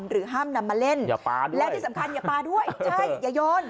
หรือห้ามนำมาเล่นอย่าปลาและที่สำคัญอย่าปลาด้วยใช่อย่าโยน